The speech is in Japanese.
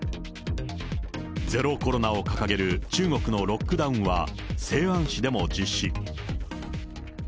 ゼロコロナを掲げる中国のロックダウンは、西安市でも実施。